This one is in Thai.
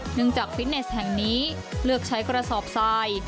จากฟิตเนสแห่งนี้เลือกใช้กระสอบทราย